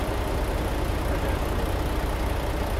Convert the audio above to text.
Ad rfuɣ.